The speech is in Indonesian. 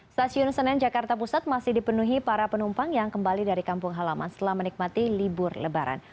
stasiun senen jakarta pusat masih dipenuhi para penumpang yang kembali dari kampung halaman setelah menikmati libur lebaran